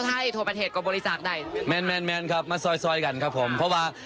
ใช่ทั่วประเทศก็บริจาคได้แมนแมนแมนครับมาซอยซอยกันครับผมเพราะว่า